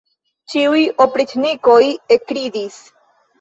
Ĉiuj opriĉnikoj ekridis.